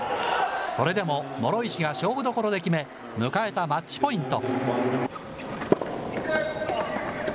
それでも諸石が勝負どころで決め、迎えたマッチポイント。